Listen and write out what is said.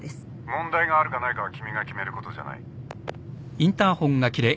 問題があるかないかは君が決めることじゃない。